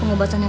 om terima kasih